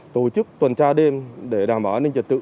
tổ chức tuần tra đêm để đảm bảo an ninh trật tự